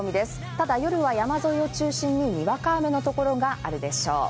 ただ夜は山沿いを中心ににわか雨の所があるでしょう。